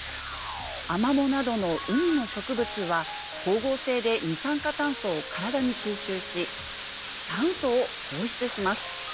アマモなどの海の植物は光合成で二酸化炭素を体に吸収し酸素を放出します。